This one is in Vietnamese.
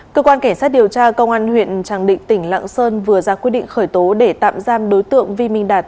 cơ quan cảnh sát điều tra công an huyện tràng định tỉnh lạng sơn vừa ra quyết định khởi tố để tạm giam đối tượng vi minh đạt